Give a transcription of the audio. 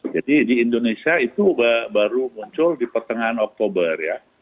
jadi di indonesia itu baru muncul di pertengahan oktober ya